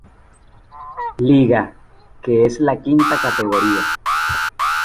Liga, que es la quinta categoría.